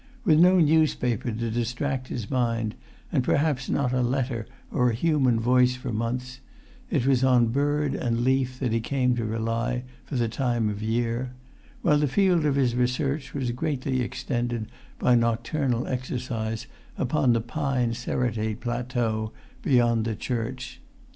With no newspaper to distract his mind, and perhaps not a letter or a human voice for months, it was on bird and leaf that he came to rely for the time of year; while the field of his research was greatly extended by nocturnal exercise upon the pine serrated plateau beyond the church.